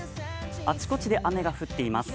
あちこちで雨が降っています。